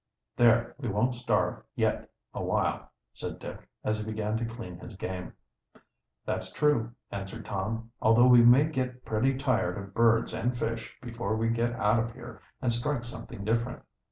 "There, we won't starve yet awhile," said Dick, as he began to clean his game. "That's true," answered Tom, "although we may get pretty tired of birds and fish before we get out of here and strike something different."